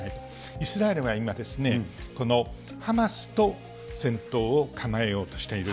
イスラエルは今、このハマスと戦闘を構えようとしている。